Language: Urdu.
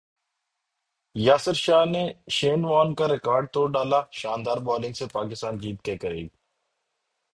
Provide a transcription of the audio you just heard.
یاسرشاہ نے شین وارن کا ریکارڈ توڑ ڈالا شاندار بالنگ سے پاکستان جیت کے قریب